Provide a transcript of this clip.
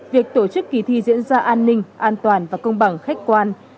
việc tổ chức kỳ thi diễn ra an ninh an toàn và công bằng khách quan